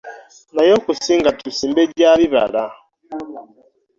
Naye okusinga tusimbe gya bibala.